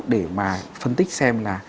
để mà phân tích xem là